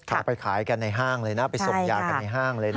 เอาไปขายกันในห้างเลยนะไปส่งยากันในห้างเลยนะ